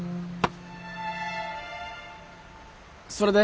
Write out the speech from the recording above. それで？